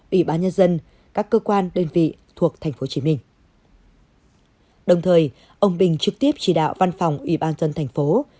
ubnd các cơ quan đơn vị thuộc tp hcm đồng thời ông bình trực tiếp trì đạo văn phòng ubnd tp hcm